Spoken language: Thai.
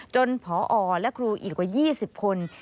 ผอและครูอีกกว่า๒๐คน